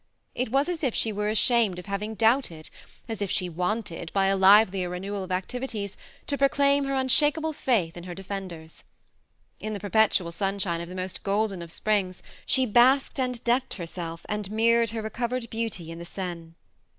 It was as if she were ashamed THE MARNE 89 of having doubted, as if she wanted, by a livelier renewal of activities, to pro claim her unshakable faith in her de fenders. In the perpetual sunshine of the most golden of springs she basked and decked herself, and mirrored her recovered beauty in the Seine.